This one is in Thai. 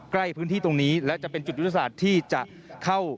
ใกล้พื้นที่ตรงนี้และจะเป็นจุดยุทธศาสตร์ที่จะเข้า